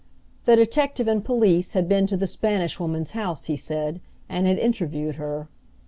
The detective and police had been to the Spanish Woman's house, he said, and had interviewed her.